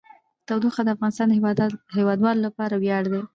تودوخه د افغانستان د هیوادوالو لپاره ویاړ دی.